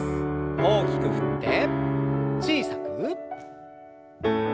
大きく振って小さく。